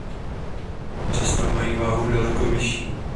Často mají váhu daleko vyšší.